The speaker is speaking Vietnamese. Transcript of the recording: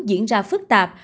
diễn ra phức tạp